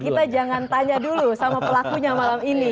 kita jangan tanya dulu sama pelakunya malam ini